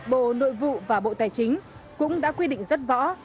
bộ nội vụ và bộ tài chính cũng đã quy định rất rõ